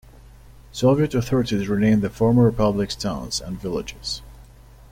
Soviet authorities renamed the former republic's towns and villages.